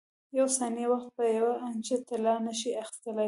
یوه ثانیه وخت په یوې انچه طلا نه شې اخیستلای.